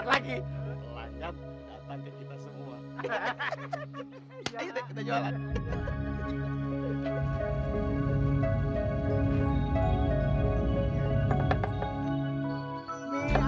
adik kecil memang orang tua kamu di mana